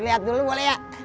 gue lihat lihat dulu boleh ya